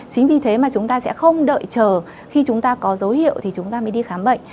chính vì thế mà chúng ta sẽ không đợi chờ khi chúng ta có dấu hiệu thì chúng ta mới đi khám bệnh